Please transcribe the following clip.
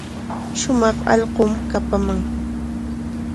Shumaq allqum kapaman.